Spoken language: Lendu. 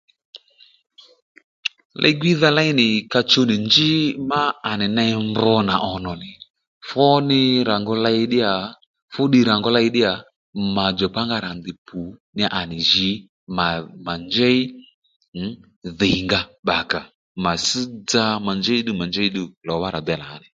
Li-gwiydha léy nì ka chuw nì njí má ànì ney mb nà ònò nì pwoddiy rà ngu ley ddíyà fúddiy rà ngu ley ddíya mà djùkpa nga rà ndèy pù à nì jǐ mà mà njěy mm dhǐ íngá bba kǎ mà sš dza mà njěy ddu mà njěy ddu lò wá nì rà dey lǎní